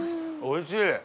おいしい！